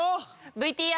ＶＴＲ。